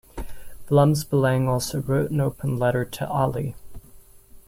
Vlaams Belang also wrote an open letter to Ali.